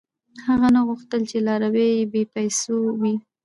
• هغه نه غوښتل، چې لاروي یې بېپېسو وي.